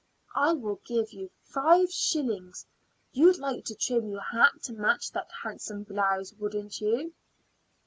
"I will give you five shillings. You'd like to trim your hat to match that handsome blouse, wouldn't you?"